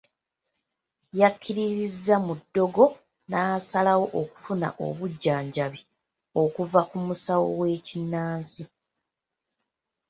Yakkiririza mu ddogo n'asalawo okufuna obujjanjabi okuva ku musawo w'ekinnansi.